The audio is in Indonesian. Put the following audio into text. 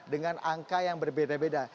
dengan angka yang berbeda beda